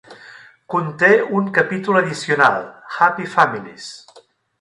Conté un capítol addicional, "Happy Families".